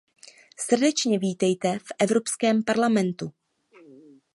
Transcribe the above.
Srdečně vítejte v Evropském parlamentu!